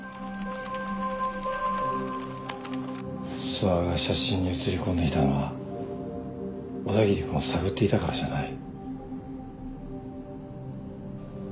諏訪が写真に写りこんでいたのは小田切君を探っていたからじゃない。